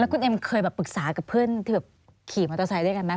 คุณเอ็มเคยแบบปรึกษากับเพื่อนที่แบบขี่มอเตอร์ไซค์ด้วยกันไหม